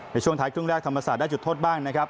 ในช่วงท้ายครึ่งแรกธรรมศาสตร์ได้จุดโทษบ้างนะครับ